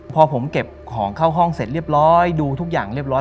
พอผมเก็บของเข้าห้องเสร็จเรียบร้อยดูทุกอย่างเรียบร้อย